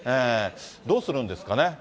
どうするんですかね。